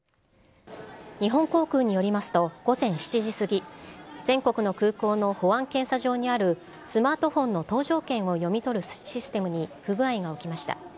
日本航空によりますと、午前７時過ぎ、全国の空港の保安検査場にある、スマートフォンの搭乗券を読み取るシステムに不具合が起きました。